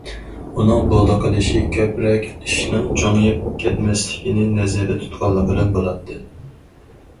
ئۇنىڭ بولدى قىلىشى، كۆپرەك ئىشنىڭ چوڭىيىپ كەتمەسلىكىنى نەزەردە تۇتقانلىقىدىن بولاتتى.